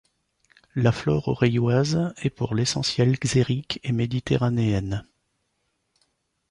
La flore aureilloise est, pour l'essentiel, xérique et méditerranéenne.